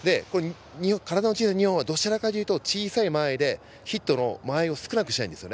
体の小さい日本はどちらかというと小さい間合いでヒットの間合いを少なくしたいんです。